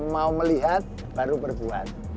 mau melihat baru berbuat